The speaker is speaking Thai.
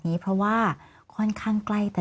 มีความรู้สึกว่าเสียใจ